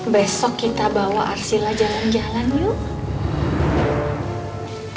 besok kita bawa arsila jalan jalan yuk